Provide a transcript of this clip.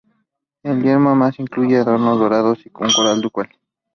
El yelmo además incluyen adornos dorados y una corona ducal.